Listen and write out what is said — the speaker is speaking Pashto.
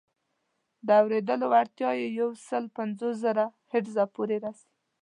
د اورېدو وړتیا یې یو سل پنځوس زره هرتز پورې رسي.